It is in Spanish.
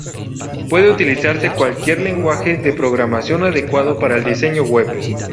Puede utilizarse cualquier lenguaje de programación adecuado para el diseño web.